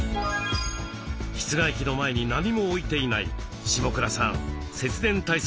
室外機の前に何も置いていない下倉さん節電対策バッチリです。